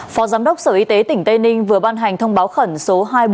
phó giám đốc sở y tế tỉnh tây ninh vừa ban hành thông báo khẩn số hai nghìn bốn trăm một mươi một